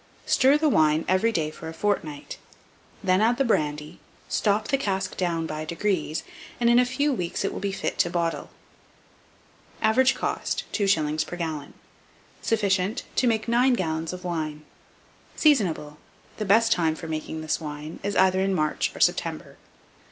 Stir the wine every day for a fortnight; then add the brandy, stop the cask down by degrees, and in a few weeks it will be fit to bottle. Average cost, 2s. per gallon. Sufficient to make 9 gallons of wine. Seasonable. The best time for making this wine is either in March or September.